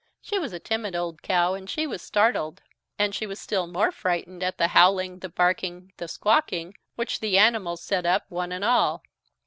She was a timid old cow and she was startled. And she was still more frightened at the howling, the barking, the squawking, which the animals set up, one and all.